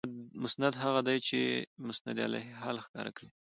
مسند هغه دئ، چي چي د مسندالیه حال ښکاره کوي.